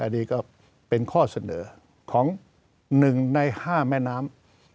อันนี้ก็เป็นข้อเสนอของ๑ใน๕แม่น้ำ